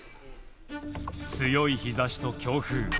強い日差しと強風。